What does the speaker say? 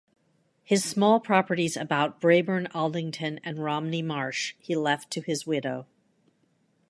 His small properties about Brabourne, Aldington, and Romney Marsh he left to his widow.